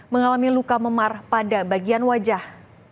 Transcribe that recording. mengalami luka memar pada bagian wajah